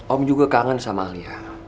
om juga kangen sama alia